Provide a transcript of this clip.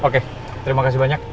oke terima kasih banyak